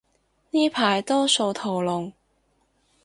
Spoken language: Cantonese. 呢排多數屠龍